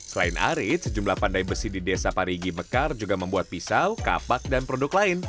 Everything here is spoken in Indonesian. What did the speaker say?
selain arit sejumlah pandai besi di desa parigi mekar juga membuat pisau kapak dan produk lain